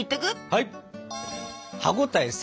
はい！